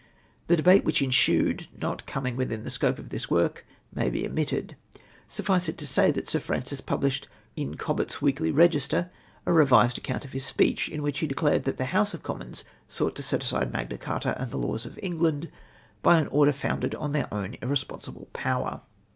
The debate which ensued, not coming Avithin the scope of this work, may be omitted. Suffice it to say that Sir Francis pubhshed in CobbeWs Weekly Register a revised account of his speech, in wliich he declared that the House of Commons soug; ht to set aside Mag; na Charta and the laws of England by an order founded on their own irresponsible power.